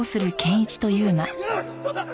よし取った！